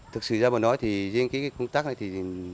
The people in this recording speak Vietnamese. thực sự ra mà nói thì riêng cái công tác này thì